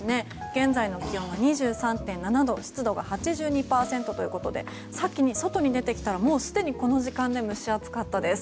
現在の気温は２３．７度湿度が８２％ということでさっき外に出てきたらもうすでに、この時間で蒸し暑かったです。